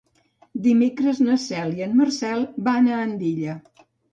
Dimecres na Cel i en Marcel van a Andilla.